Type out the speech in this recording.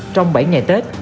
trong bảy ngày tết